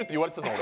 俺。